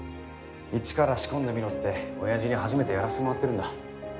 一から仕込んでみろって親父に初めてやらせてもらってるんだ。